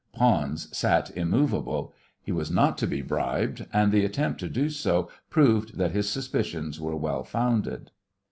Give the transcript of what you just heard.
Pons sat immovable. He was not to be bribed, and the attempt to do so proved that his suspicions were well founded.